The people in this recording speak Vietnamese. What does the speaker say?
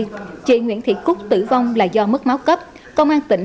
sau khi chị nguyễn thị cúc tử vong là do mất máu cấp công an tỉnh